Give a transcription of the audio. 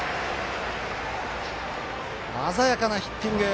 鮮やかなヒッティング。